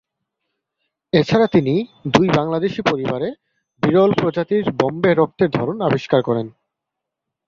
এছাড়া তিনি দুই বাংলাদেশী পরিবারে বিরল প্রজাতির বম্বে রক্তের ধরন আবিষ্কার করেন।